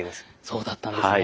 そうだったんですね。